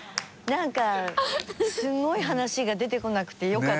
何かすごい話が出てこなくてよかったよ。